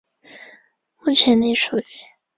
目前隶属于。